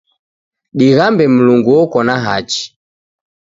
Dighambe Mlungu oko na hachi